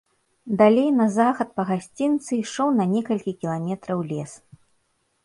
Далей на захад па гасцінцы ішоў на некалькі кіламетраў лес.